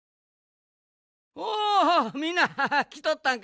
おおみんなきとったんか。